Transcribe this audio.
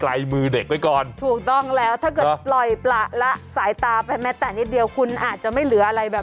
มียกมือล่ะหรือเปล่ามียกมือล่ะหรือเปล่ามียกมือล่ะหรือเปล่า